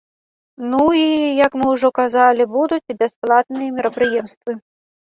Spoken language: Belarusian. Ну і, як мы ўжо казалі, будуць і бясплатныя мерапрыемствы.